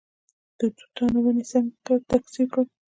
د توتانو ونې څنګه تکثیر کړم؟